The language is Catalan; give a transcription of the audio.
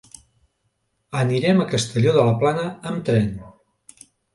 Anirem a Castelló de la Plana amb tren.